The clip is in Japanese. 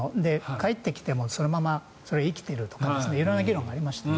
帰ってきてもそれがそのまま生きているとか色んな議論がありました。